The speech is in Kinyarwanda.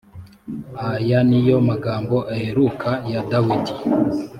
aya ni yo magambo aheruka ya dawidi